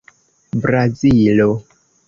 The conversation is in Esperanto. brazilo